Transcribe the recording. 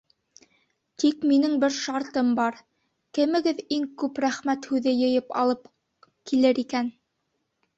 Тик минең бер шартым бар: кемегеҙ иң күп «рәхмәт» һүҙе йыйып алып килер икән?